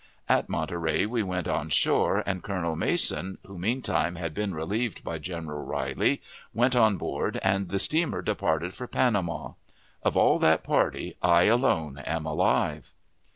At Monterey we went on shore, and Colonel Mason, who meantime had been relieved by General Riley, went on board, and the steamer departed for Panama. Of all that party I alone am alive.